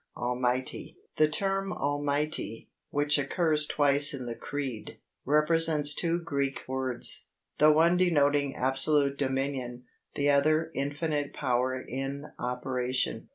ALMIGHTY The term "Almighty," which occurs twice in the Creed, represents two Greek words, the one denoting absolute dominion, the other infinite power in operation.